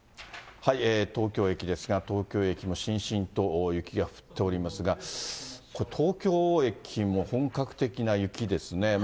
東京駅ですが、東京駅もしんしんと雪が降っておりますが、これ、東京駅も本格的な雪ですね。